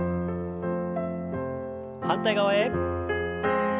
反対側へ。